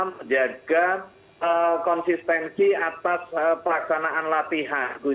menjaga konsistensi atas pelaksanaan latihan